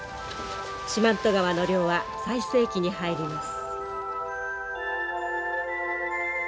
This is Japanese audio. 四万十川の漁は最盛期に入ります。